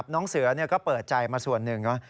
น้องเสือก็เปิดใจมาส่วนหนึ่ง